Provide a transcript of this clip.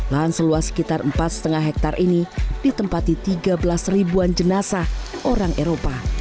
lahan seluas sekitar empat lima hektare ini ditempati tiga belas ribuan jenazah orang eropa